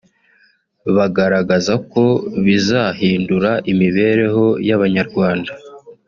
bagaragaza ko bizahindura imibereho y’abanyarwanda